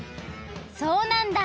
そうなんだ！